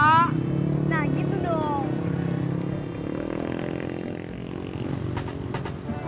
nah gitu dong